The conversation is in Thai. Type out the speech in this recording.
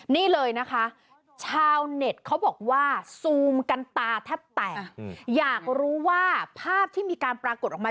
นี่เลยนะคะชาวเน็ตเขาบอกว่าซูมกันตาแทบแตกอยากรู้ว่าภาพที่มีการปรากฏออกมา